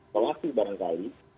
kalau aktif barangkali